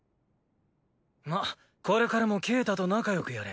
まっこれからもケータと仲よくやれ。